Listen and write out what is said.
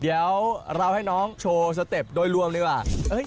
เดี๋ยวเราให้น้องโชว์สเต็ปโดยรวมดีกว่า